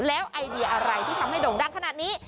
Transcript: แล้วไอเดียอะไรที่ทำให้โด่งดังขนาดนี้